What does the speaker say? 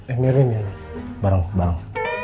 eh meryem ya barang barang